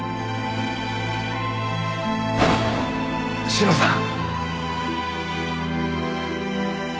志乃さん。